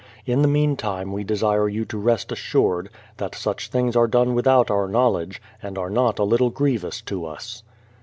In the meantime we desire you to rest assured, that such things are done without our knowledge, and are not a little grievous to us.